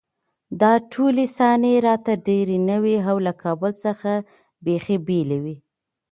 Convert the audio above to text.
دا ټولې صحنې راته ډېرې نوې او له کابل څخه بېخي بېلې وې